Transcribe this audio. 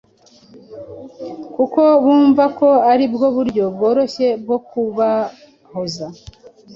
kuko bumva ko ari bwo buryo bworoshye bwo kubahoza,